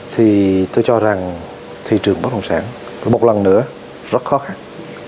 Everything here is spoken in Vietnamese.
thì tôi cho rằng thị trường bất đồng sản một lần nữa rất khó khăn